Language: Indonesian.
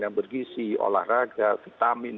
yang bergisi olahraga vitamin